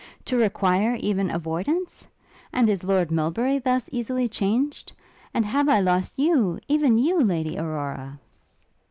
to require even avoidance? And is Lord Melbury thus easily changed? And have I lost you even you! Lady Aurora?